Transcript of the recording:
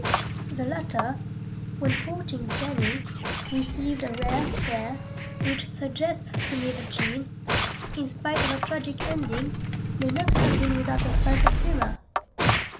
The latter, when courting Jenny, received a rare scare, which suggests to me that Jean, in spite of her tragic ending, may not have been without a spice of humour.